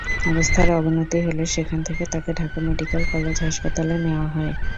অবস্থার অবনতি হলে সেখান থেকে তাঁকে ঢাকা মেডিকেল কলেজ হাসপাতালে নেওয়া হয়।